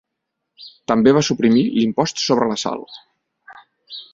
També va suprimir l'impost sobre la sal.